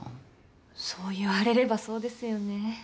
そう言われればそうですよね。